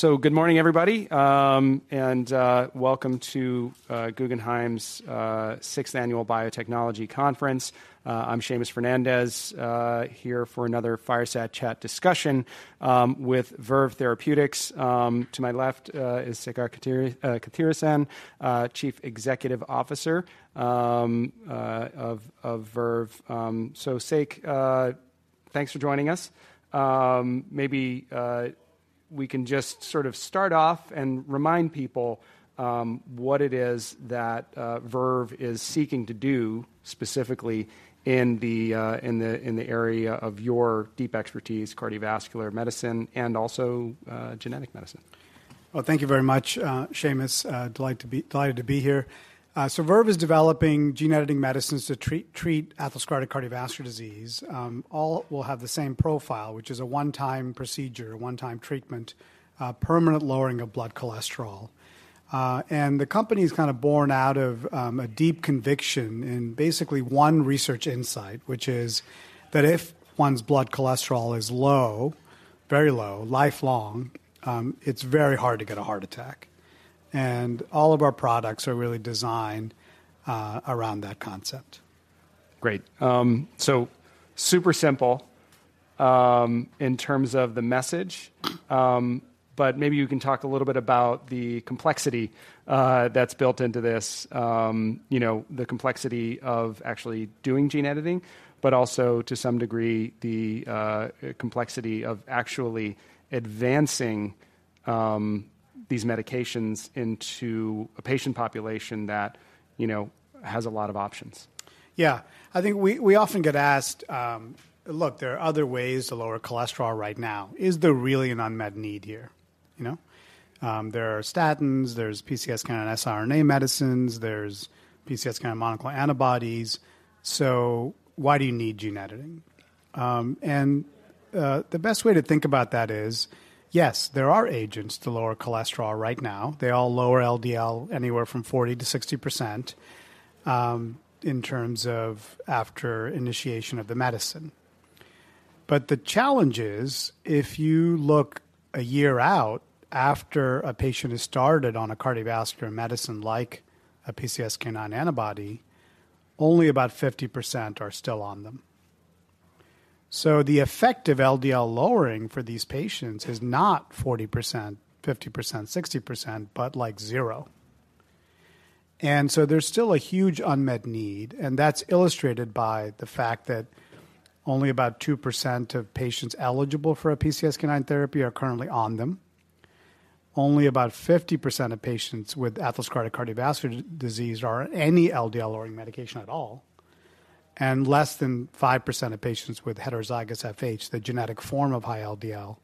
Good morning, everybody, and welcome to Guggenheim's 6th Annual Biotechnology Conference. I'm Seamus Fernandez here for another fireside chat discussion with Verve Therapeutics. To my left is Sekar Kathiresan, Chief Executive Officer of Verve. Sek, thanks for joining us. Maybe we can just sort of start off and remind people what it is that Verve is seeking to do specifically in the area of your deep expertise, cardiovascular medicine and also genetic medicine. Well, thank you very much, Seamus. Delighted to be here. So Verve is developing gene editing medicines to treat atherosclerotic cardiovascular disease. All will have the same profile, which is a one-time procedure, a one-time treatment, permanent lowering of blood cholesterol. And the company is kind of born out of a deep conviction in basically one research insight, which is that if one's blood cholesterol is low, very low, lifelong, it's very hard to get a heart attack. And all of our products are really designed around that concept. Great. Super simple in terms of the message. But maybe you can talk a little bit about the complexity that's built into this, the complexity of actually doing gene editing, but also to some degree the complexity of actually advancing these medications into a patient population that has a lot of options. Yeah. I think we often get asked, "Look, there are other ways to lower cholesterol right now. Is there really an unmet need here?" There are statins. There's PCSK9 and siRNA medicines. There's PCSK9 monoclonal antibodies. So why do you need gene editing? And the best way to think about that is, yes, there are agents to lower cholesterol right now. They all lower LDL anywhere from 40%-60% in terms of after initiation of the medicine. But the challenge is, if you look a year out, after a patient is started on a cardiovascular medicine like a PCSK9 antibody, only about 50% are still on them. So the effective LDL lowering for these patients is not 40%, 50%, 60%, but like zero. And so there's still a huge unmet need. That's illustrated by the fact that only about 2% of patients eligible for a PCSK9 therapy are currently on them. Only about 50% of patients with atherosclerotic cardiovascular disease are on any LDL-lowering medication at all. Less than 5% of patients with heterozygous FH, the genetic form of high LDL,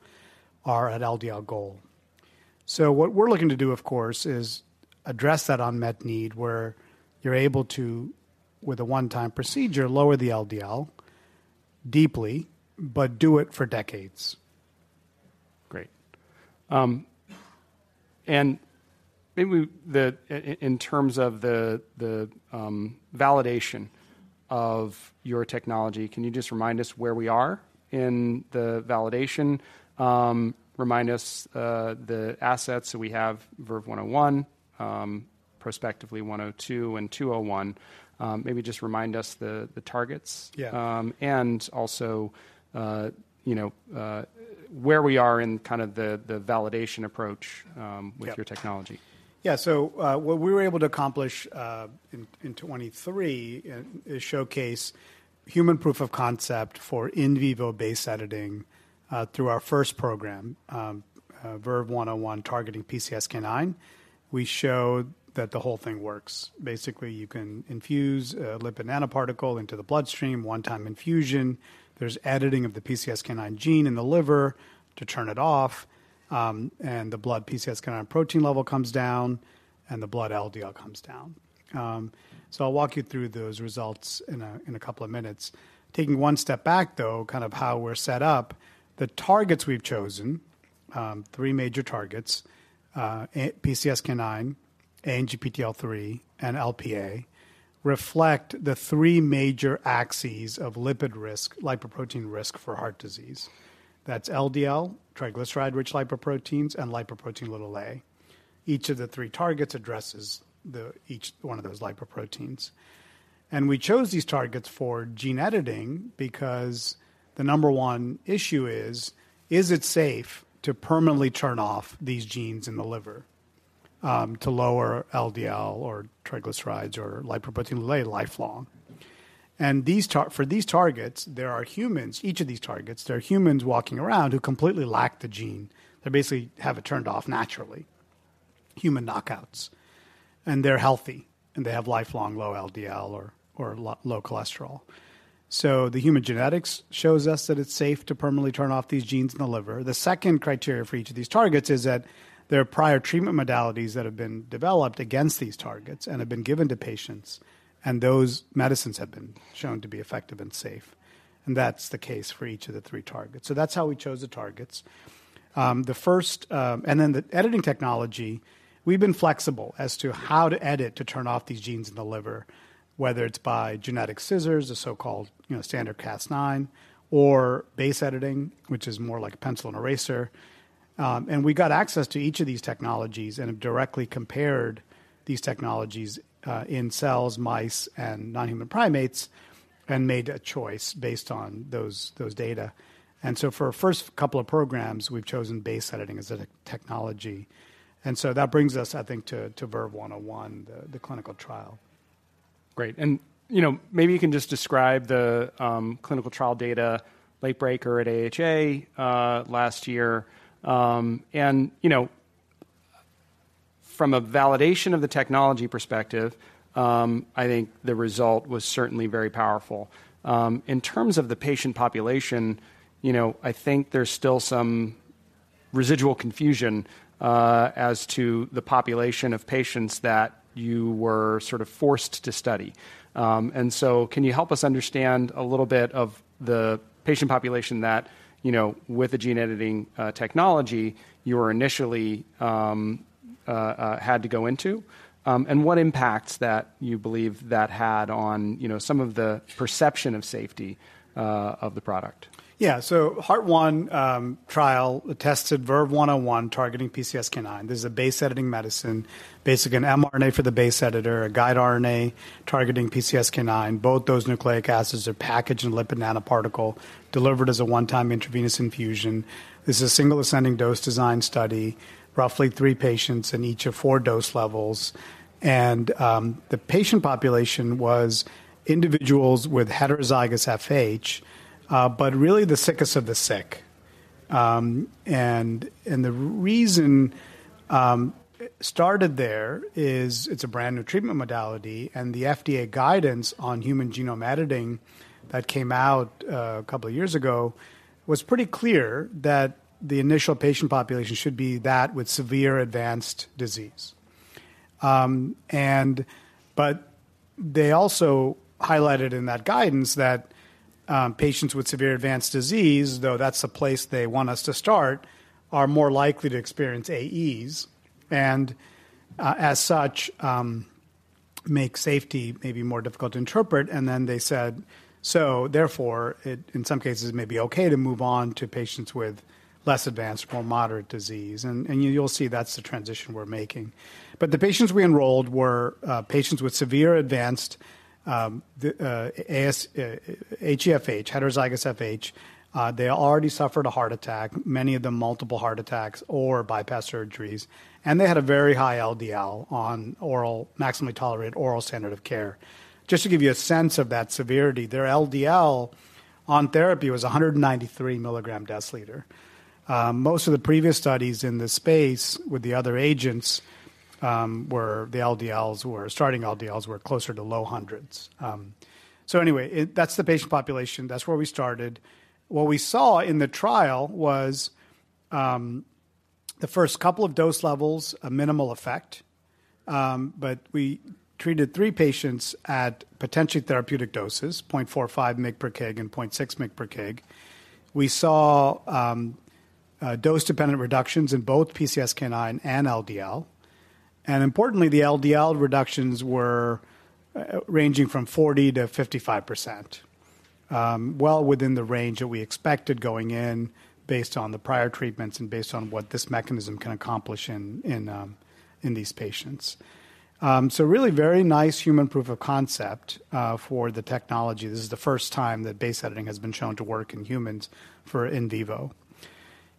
are at LDL goal. What we're looking to do, of course, is address that unmet need where you're able to, with a one-time procedure, lower the LDL deeply, but do it for decades. Great. And maybe in terms of the validation of your technology, can you just remind us where we are in the validation? Remind us the assets that we have, VERVE-101, prospectively VERVE-102 and VERVE-201. Maybe just remind us the targets and also where we are in kind of the validation approach with your technology. Yeah. So what we were able to accomplish in 2023 is showcase human proof of concept for in vivo base editing through our first program, VERVE-101, targeting PCSK9. We showed that the whole thing works. Basically, you can infuse a lipid nanoparticle into the bloodstream, one-time infusion. There's editing of the PCSK9 gene in the liver to turn it off. And the blood PCSK9 protein level comes down, and the blood LDL comes down. So I'll walk you through those results in a couple of minutes. Taking one step back, though, kind of how we're set up, the targets we've chosen, three major targets, PCSK9, ANGPTL3, and LPA, reflect the three major axes of lipid risk, lipoprotein risk for heart disease. That's LDL, triglyceride-rich lipoproteins, and lipoprotein(a). Each of the three targets addresses each one of those lipoproteins. And we chose these targets for gene editing because the number one issue is, is it safe to permanently turn off these genes in the liver to lower LDL or triglycerides or lipoprotein(a) lifelong? And for these targets, there are humans. Each of these targets, there are humans walking around who completely lack the gene. They basically have it turned off naturally, human knockouts. And they're healthy, and they have lifelong low LDL or low cholesterol. So the human genetics shows us that it's safe to permanently turn off these genes in the liver. The second criteria for each of these targets is that there are prior treatment modalities that have been developed against these targets and have been given to patients. And those medicines have been shown to be effective and safe. And that's the case for each of the three targets. So that's how we chose the targets. Then the editing technology, we've been flexible as to how to edit to turn off these genes in the liver, whether it's by genetic scissors, the so-called standard Cas9, or base editing, which is more like a pencil and eraser. We got access to each of these technologies and have directly compared these technologies in cells, mice, and non-human primates and made a choice based on those data. So for our first couple of programs, we've chosen base editing as a technology. So that brings us, I think, to VERVE-101, the clinical trial. Great. And maybe you can just describe the clinical trial data, Late-Breaker at AHA last year. And from a validation of the technology perspective, I think the result was certainly very powerful. In terms of the patient population, I think there's still some residual confusion as to the population of patients that you were sort of forced to study. And so can you help us understand a little bit of the patient population that, with the gene editing technology, you initially had to go into? And what impacts that you believe that had on some of the perception of safety of the product? Yeah. So the Heart-1 trial tested VERVE-101 targeting PCSK9. This is a base editing medicine, basically an mRNA for the base editor, a guide RNA targeting PCSK9. Both those nucleic acids are packaged in lipid nanoparticle, delivered as a one-time intravenous infusion. This is a single ascending dose design study, roughly three patients in each of four dose levels. The patient population was individuals with heterozygous FH, but really the sickest of the sick. The reason it started there is it's a brand new treatment modality. The FDA guidance on human genome editing that came out a couple of years ago was pretty clear that the initial patient population should be that with severe advanced disease. But they also highlighted in that guidance that patients with severe advanced disease, though that's the place they want us to start, are more likely to experience AEs and, as such, make safety maybe more difficult to interpret. And then they said, "So therefore, in some cases, it may be okay to move on to patients with less advanced, more moderate disease." And you'll see that's the transition we're making. But the patients we enrolled were patients with severe advanced HeFH, heterozygous FH. They already suffered a heart attack, many of them multiple heart attacks or bypass surgeries. And they had a very high LDL on maximally tolerated oral standard of care. Just to give you a sense of that severity, their LDL on therapy was 193 mg/dL. Most of the previous studies in this space with the other agents were starting LDLs closer to low hundreds. So anyway, that's the patient population. That's where we started. What we saw in the trial was the first couple of dose levels, a minimal effect. But we treated 3 patients at potentially therapeutic doses, 0.45 mg/kg and 0.6 mg/kg. We saw dose-dependent reductions in both PCSK9 and LDL. And importantly, the LDL reductions were ranging from 40%-55%, well within the range that we expected going in based on the prior treatments and based on what this mechanism can accomplish in these patients. So really very nice human proof of concept for the technology. This is the first time that base editing has been shown to work in humans for in vivo.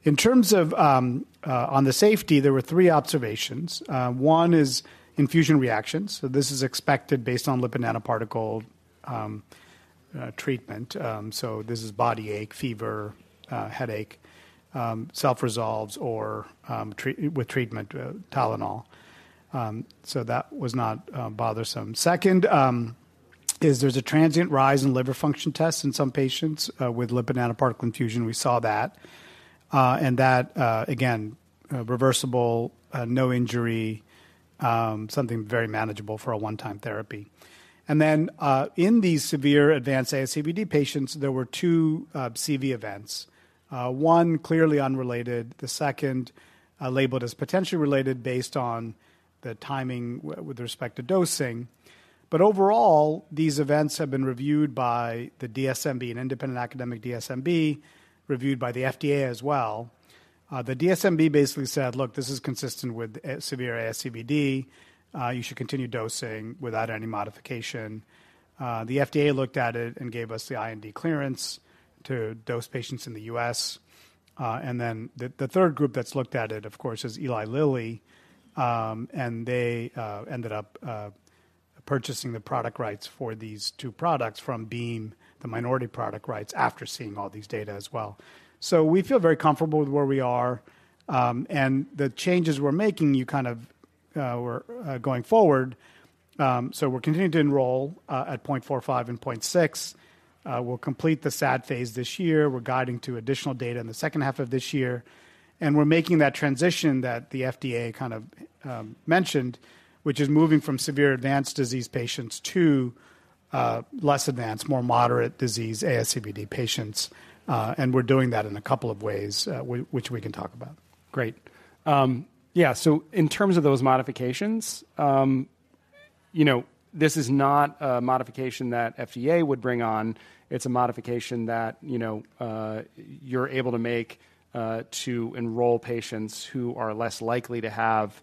On the safety, there were three observations. One is infusion reactions. This is expected based on lipid nanoparticle treatment. This is body ache, fever, headache, self-resolves with treatment, Tylenol. That was not bothersome. Second is there's a transient rise in liver function tests in some patients with lipid nanoparticle infusion. We saw that. That, again, reversible, no injury, something very manageable for a one-time therapy. Then in these severe advanced ASCVD patients, there were two CV events. One clearly unrelated. The second labeled as potentially related based on the timing with respect to dosing. Overall, these events have been reviewed by the DSMB, an independent academic DSMB, reviewed by the FDA as well. The DSMB basically said, "Look, this is consistent with severe ASCVD. You should continue dosing without any modification." The FDA looked at it and gave us the IND clearance to dose patients in the U.S. And then the third group that's looked at it, of course, is Eli Lilly. And they ended up purchasing the product rights for these two products from Beam, the minority product rights, after seeing all these data as well. So we feel very comfortable with where we are. And the changes we're making, you kind of were going forward. So we're continuing to enroll at 0.45 and 0.6. We'll complete the SAD phase this year. We're guiding to additional data in the second half of this year. And we're making that transition that the FDA kind of mentioned, which is moving from severe advanced disease patients to less advanced, more moderate disease ASCVD patients. And we're doing that in a couple of ways, which we can talk about. Great. Yeah. So in terms of those modifications, this is not a modification that FDA would bring on. It's a modification that you're able to make to enroll patients who are less likely to have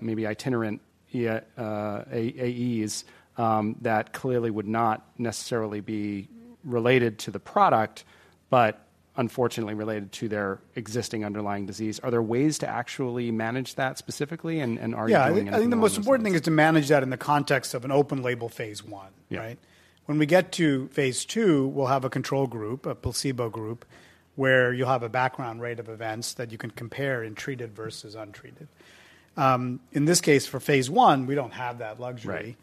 maybe inherent AEs that clearly would not necessarily be related to the product, but unfortunately related to their existing underlying disease. Are there ways to actually manage that specifically and are you doing anything? Yeah. I think the most important thing is to manage that in the context of an open label phase I, right? When we get to phase II, we'll have a control group, a placebo group, where you'll have a background rate of events that you can compare in treated versus untreated. In this case, for phase I, we don't have that luxury.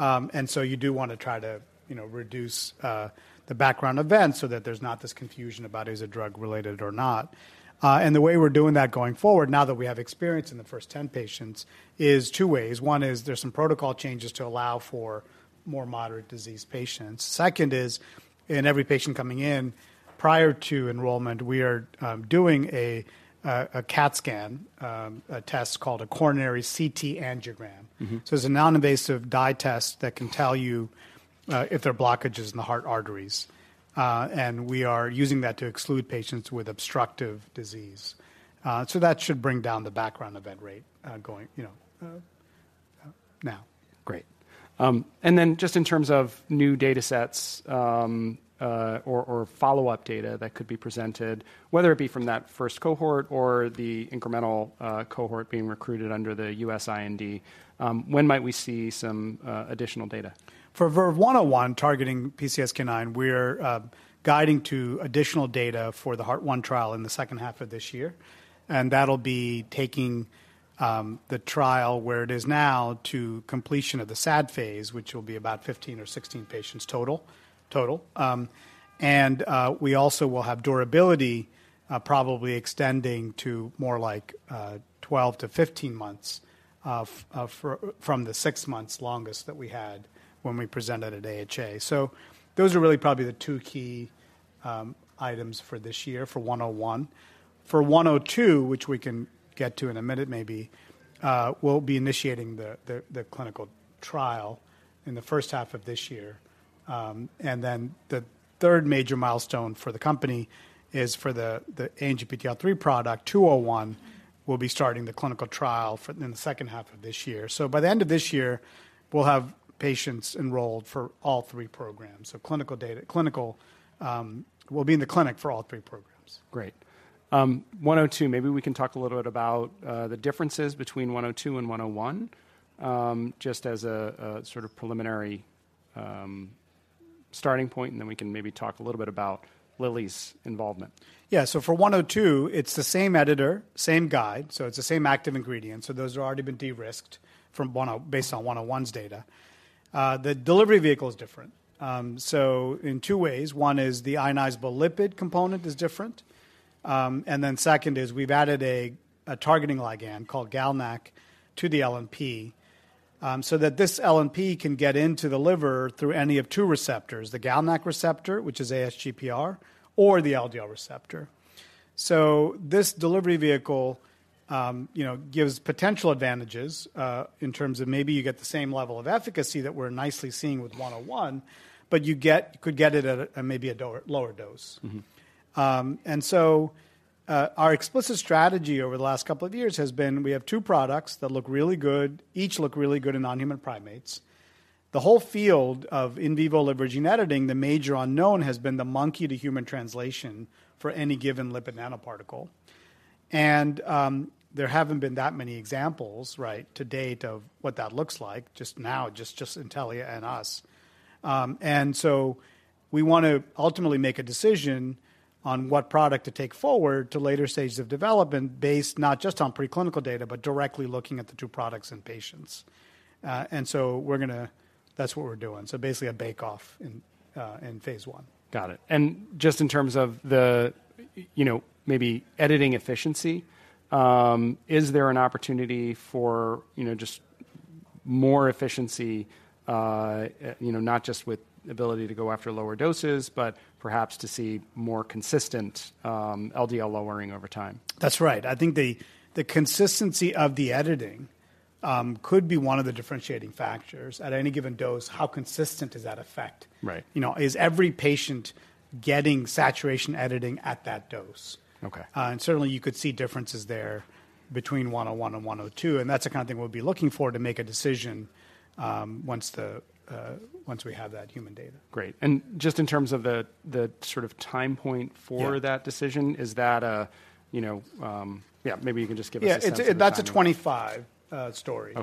And so you do want to try to reduce the background event so that there's not this confusion about is a drug related or not. And the way we're doing that going forward, now that we have experience in the first 10 patients, is two ways. One is there's some protocol changes to allow for more moderate disease patients. Second is, in every patient coming in, prior to enrollment, we are doing a CT scan test called a coronary CT angiogram. It's a non-invasive dye test that can tell you if there are blockages in the heart arteries. We are using that to exclude patients with obstructive disease. That should bring down the background event rate now. Great. And then just in terms of new datasets or follow-up data that could be presented, whether it be from that first cohort or the incremental cohort being recruited under the U.S. IND, when might we see some additional data? For VERVE-101 targeting PCSK9, we're guiding to additional data for the Heart-1 trial in the second half of this year. That'll be taking the trial where it is now to completion of the SAD phase, which will be about 15 or 16 patients total. We also will have durability probably extending to more like 12-15 months from the 6 months longest that we had when we presented at AHA. So those are really probably the two key items for this year for 101. For VERVE-102, which we can get to in a minute maybe, we'll be initiating the clinical trial in the first half of this year. Then the third major milestone for the company is for the ANGPTL3 product, VERVE-201, we'll be starting the clinical trial in the second half of this year. So by the end of this year, we'll have patients enrolled for all three programs. Clinical data will be in the clinic for all three programs. Great. 102, maybe we can talk a little bit about the differences between 102 and 101 just as a sort of preliminary starting point. Then we can maybe talk a little bit about Lilly's involvement. Yeah. So for 102, it's the same editor, same guide. So it's the same active ingredients. So those have already been de-risked based on 101's data. The delivery vehicle is different. So in two ways. One is the ionizable lipid component is different. And then second is we've added a targeting ligand called GalNAc to the LNP so that this LNP can get into the liver through any of two receptors, the GalNAc receptor, which is ASGPR, or the LDL receptor. So this delivery vehicle gives potential advantages in terms of maybe you get the same level of efficacy that we're nicely seeing with 101, but you could get it at maybe a lower dose. And so our explicit strategy over the last couple of years has been we have two products that look really good, each look really good in non-human primates. The whole field of in vivo liver gene editing, the major unknown has been the monkey-to-human translation for any given lipid nanoparticle. And there haven't been that many examples to date of what that looks like, just now, just Intellia and us. And so we want to ultimately make a decision on what product to take forward to later stages of development based not just on preclinical data, but directly looking at the two products and patients. And so we're going to. That's what we're doing. So basically a bake-off in phase I. Got it. Just in terms of the maybe editing efficiency, is there an opportunity for just more efficiency, not just with ability to go after lower doses, but perhaps to see more consistent LDL lowering over time? That's right. I think the consistency of the editing could be one of the differentiating factors. At any given dose, how consistent does that affect? Is every patient getting saturation editing at that dose? And certainly, you could see differences there between 101 and 102. And that's the kind of thing we'll be looking for to make a decision once we have that human data. Great. And just in terms of the sort of time point for that decision, is that a yeah, maybe you can just give us a sense of? Yeah. That's a 2025 story.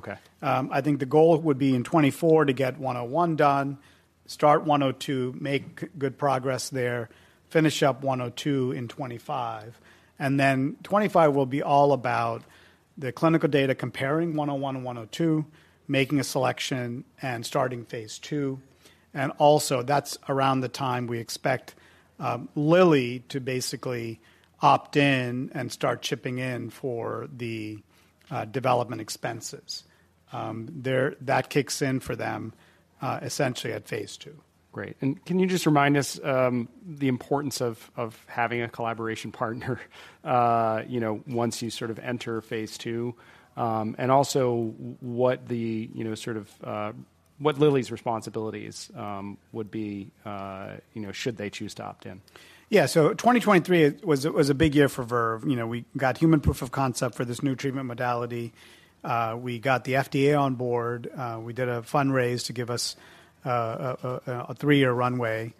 I think the goal would be in 2024 to get 101 done, start 102, make good progress there, finish up 102 in 2025. Then 2025 will be all about the clinical data comparing 101 and 102, making a selection, and starting phase II. That's around the time we expect Lilly to basically opt in and start chipping in for the development expenses. That kicks in for them essentially at phase II. Great. And can you just remind us the importance of having a collaboration partner once you sort of enter phase II? And also what sort of Lilly's responsibilities would be should they choose to opt in? Yeah. So 2023 was a big year for Verve. We got human proof of concept for this new treatment modality. We got the FDA on board. We did a fundraise to give us a 3-year runway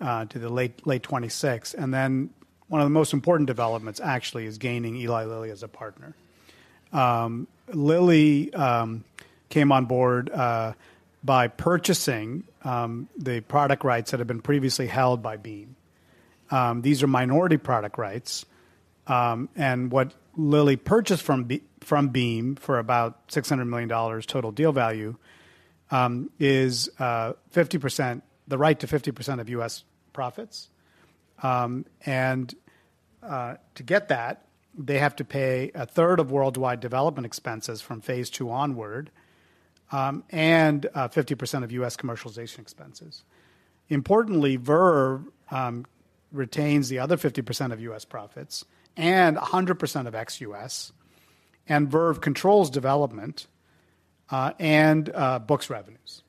to the late 2026. And then one of the most important developments actually is gaining Eli Lilly as a partner. Lilly came on board by purchasing the product rights that have been previously held by Beam. These are minority product rights. And what Lilly purchased from Beam for about $600 million total deal value is the right to 50% of US profits. And to get that, they have to pay a third of worldwide development expenses from phase II onward and 50% of US commercialization expenses. Importantly, Verve retains the other 50% of US profits and 100% of ex-US. And Verve controls development and books revenues.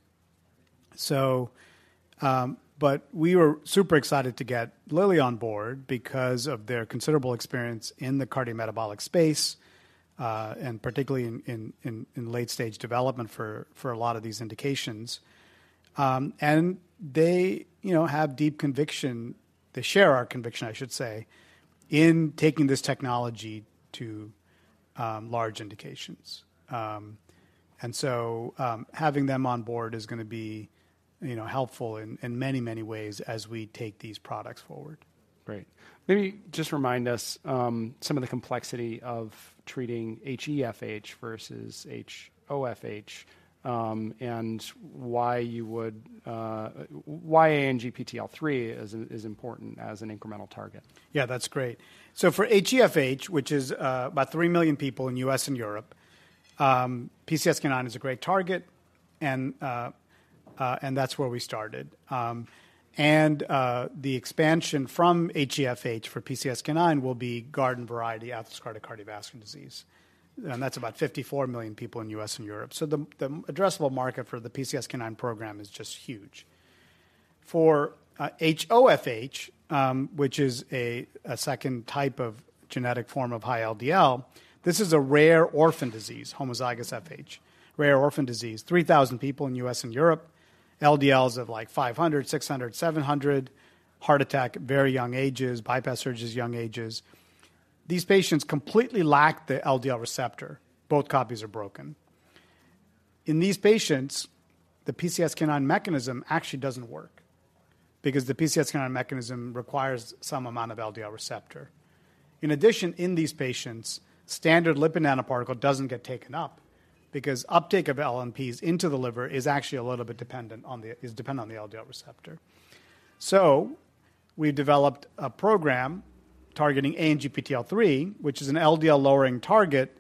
But we were super excited to get Lilly on board because of their considerable experience in the cardiometabolic space, and particularly in late-stage development for a lot of these indications. And they have deep conviction. They share our conviction, I should say, in taking this technology to large indications. And so having them on board is going to be helpful in many, many ways as we take these products forward. Great. Maybe just remind us some of the complexity of treating HeFH versus HoFH and why ANGPTL3 is important as an incremental target. Yeah. That's great. So for HeFH, which is about 3 million people in U.S. and Europe, PCSK9 is a great target. And that's where we started. And the expansion from HeFH for PCSK9 will be garden variety atherosclerotic cardiovascular disease. And that's about 54 million people in U.S. and Europe. So the addressable market for the PCSK9 program is just huge. For HoFH, which is a second type of genetic form of high LDL, this is a rare orphan disease, homozygous FH, rare orphan disease, 3,000 people in U.S. and Europe, LDLs of like 500, 600, 700, heart attack at very young ages, bypass surgeries at young ages. These patients completely lack the LDL receptor. Both copies are broken. In these patients, the PCSK9 mechanism actually doesn't work because the PCSK9 mechanism requires some amount of LDL receptor. In addition, in these patients, standard lipid nanoparticle doesn't get taken up because uptake of LNPs into the liver is actually a little bit dependent on the LDL receptor. So we've developed a program targeting ANGPTL3, which is an LDL lowering target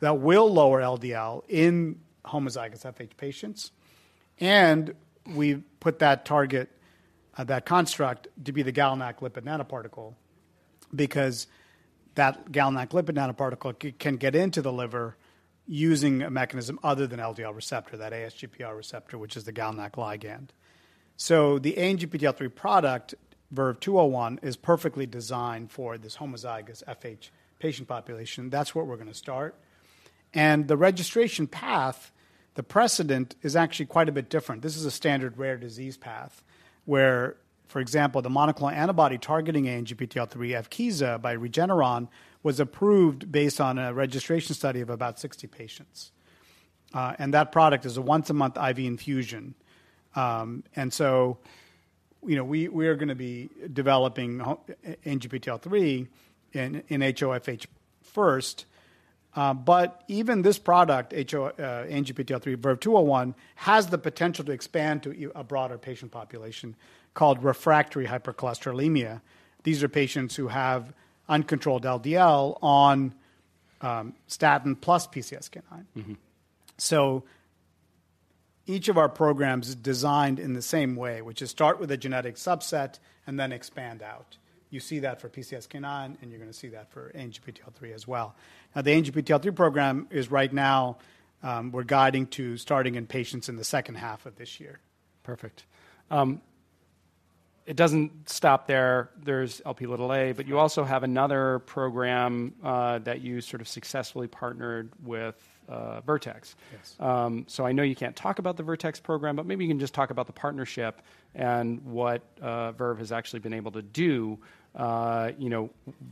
that will lower LDL in homozygous FH patients. And we put that target, that construct, to be the GalNAc lipid nanoparticle because that GalNAc lipid nanoparticle can get into the liver using a mechanism other than LDL receptor, that ASGPR receptor, which is the GalNAc ligand. So the ANGPTL3 product, VERVE-201, is perfectly designed for this homozygous FH patient population. That's what we're going to start. And the registration path, the precedent, is actually quite a bit different. This is a standard rare disease path where, for example, the monoclonal antibody targeting ANGPTL3, Evkeeza, by Regeneron was approved based on a registration study of about 60 patients. And that product is a once-a-month IV infusion. And so we are going to be developing ANGPTL3 in HoFH first. But even this product, ANGPTL3, VERVE-201, has the potential to expand to a broader patient population called refractory hypercholesterolemia. These are patients who have uncontrolled LDL on statin plus PCSK9. So each of our programs is designed in the same way, which is start with a genetic subset and then expand out. You see that for PCSK9, and you're going to see that for ANGPTL3 as well. Now, the ANGPTL3 program is right now we're guiding to starting in patients in the second half of this year. Perfect. It doesn't stop there. There's LPA. But you also have another program that you sort of successfully partnered with Vertex. So I know you can't talk about the Vertex program, but maybe you can just talk about the partnership and what Verve has actually been able to do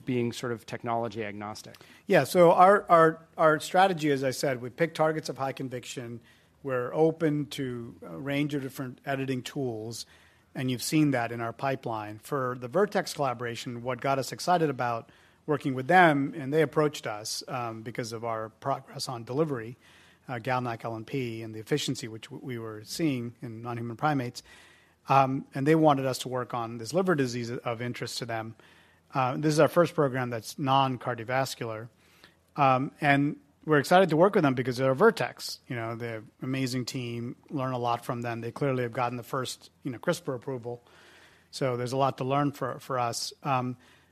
being sort of technology agnostic. Yeah. So our strategy, as I said, we pick targets of high conviction. We're open to a range of different editing tools. And you've seen that in our pipeline. For the Vertex collaboration, what got us excited about working with them and they approached us because of our progress on delivery, GalNAc LNP, and the efficiency which we were seeing in non-human primates. And they wanted us to work on this liver disease of interest to them. This is our first program that's non-cardiovascular. And we're excited to work with them because they're Vertex. They're an amazing team. Learn a lot from them. They clearly have gotten the first CRISPR approval. So there's a lot to learn for us.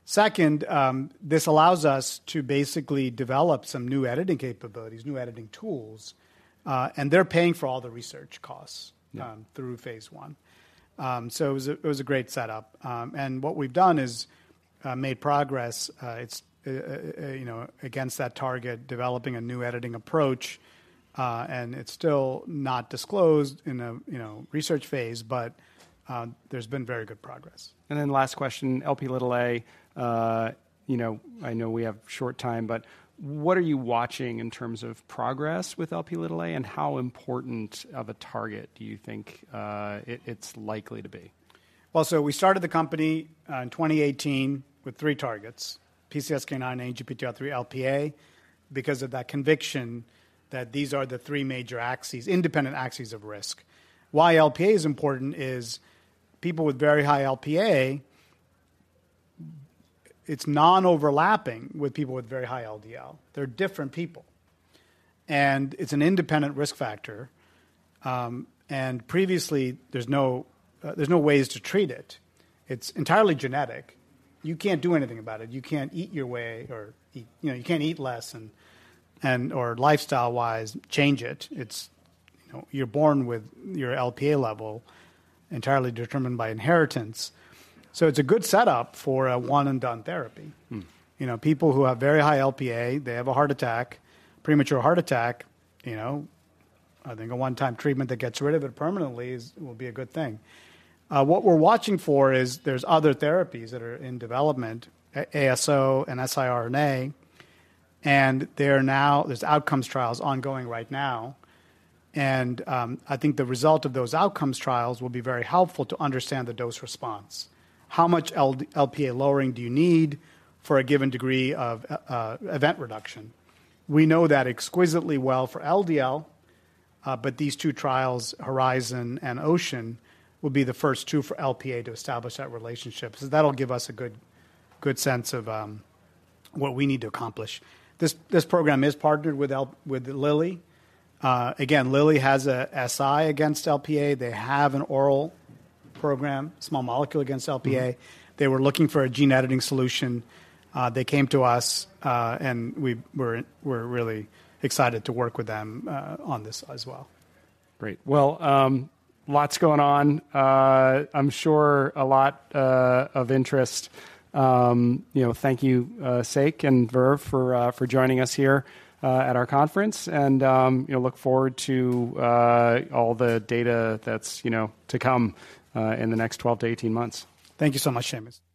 Second, this allows us to basically develop some new editing capabilities, new editing tools. And they're paying for all the research costs through phase I. So it was a great setup. What we've done is made progress against that target, developing a new editing approach. It's still not disclosed in a research phase, but there's been very good progress. And then last question, LPA. I know we have short time, but what are you watching in terms of progress with LPA? And how important of a target do you think it's likely to be? Well, so we started the company in 2018 with three targets, PCSK9, ANGPTL3, LPA, because of that conviction that these are the three major axes, independent axes of risk. Why LPA is important is people with very high LPA, it's non-overlapping with people with very high LDL. They're different people. And it's an independent risk factor. And previously, there's no ways to treat it. It's entirely genetic. You can't do anything about it. You can't eat your way or you can't eat less or lifestyle-wise change it. You're born with your LPA level entirely determined by inheritance. So it's a good setup for a one-and-done therapy. People who have very high LPA, they have a heart attack, premature heart attack. I think a one-time treatment that gets rid of it permanently will be a good thing. What we're watching for is there's other therapies that are in development, ASO and siRNA. And there's outcomes trials ongoing right now. And I think the result of those outcomes trials will be very helpful to understand the dose response. How much LPA lowering do you need for a given degree of event reduction? We know that exquisitely well for LDL, but these two trials, Horizon and Ocean, will be the first two for LPA to establish that relationship. So that'll give us a good sense of what we need to accomplish. This program is partnered with Lilly. Again, Lilly has an siRNA against LPA. They have an oral program, small molecule against LPA. They were looking for a gene editing solution. They came to us, and we're really excited to work with them on this as well. Great. Well, lots going on. I'm sure a lot of interest. Thank you, Sekar and Verve, for joining us here at our conference. Look forward to all the data that's to come in the next 12-18 months. Thank you so much, Seamus.